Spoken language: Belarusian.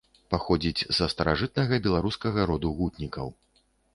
Паходзіць са старажытнага беларускага роду гутнікаў.